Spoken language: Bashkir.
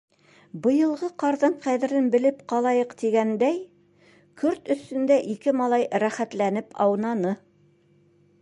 Быйылғы ҡарҙың ҡәҙерен белеп ҡалайыҡ тигәндәй, көрт өҫтөндә ике малай рәхәтләнеп аунаны.